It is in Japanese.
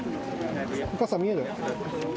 お母さん、見える？